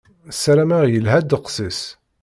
Sarameɣ yelha ddeqs-is.